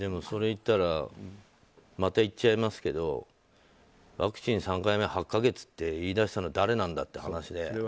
それ言ったらまた言っちゃいますけどワクチン３回目８か月って言い出したのは誰なんだって話で。